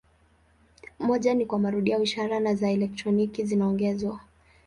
Moja ni kwa marudio ya ishara za elektroniki zinazoongezwa.